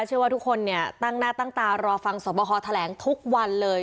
เชื่อว่าทุกคนเนี่ยตั้งหน้าตั้งตารอฟังสวบคอแถลงทุกวันเลย